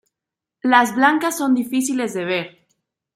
Las blancas son difíciles de ver.